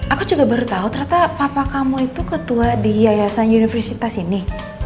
aku juga baru tahu ternyata papa kamu itu ketua di yayasan universitas ini